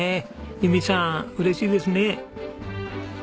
友美さん嬉しいですね。